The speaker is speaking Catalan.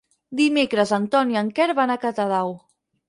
Dimecres en Ton i en Quer van a Catadau.